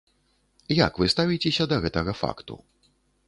Як вы ставіцеся да гэтага факту?